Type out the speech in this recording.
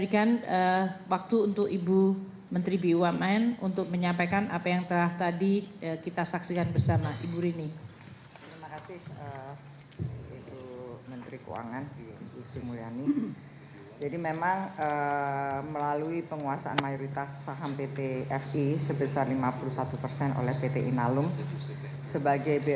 kementerian keuangan telah melakukan upaya upaya